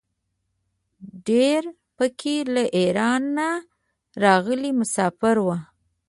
ډېر په کې له ایران نه راغلي مساپر وو.